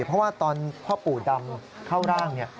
เพราะว่าตอนพ่อปู่ดำเข้าร่าง